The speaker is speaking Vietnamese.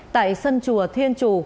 tại sân chùa thiên chù